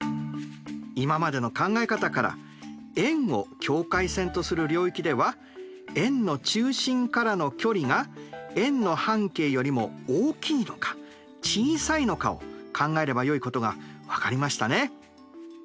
今までの考え方から円を境界線とする領域では円の中心からの距離が円の半径よりも大きいのか小さいのかを考えればよいことが分かりましたね。